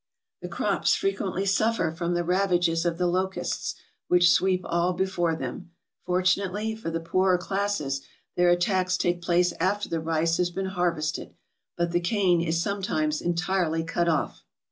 The crops frequently suffer from the ravages of the locusts, which sweep all before them. Fortunately for the poorer classes, their attacks take place after the rice has been harvested ; but the cane is sometimes entirely cut off.